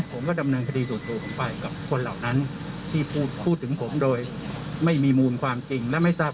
ผมก็ดำเนินคดีส่วนตัวผมไปกับคนเหล่านั้นที่พูดถึงผมโดยไม่มีมูลความจริงและไม่ทราบ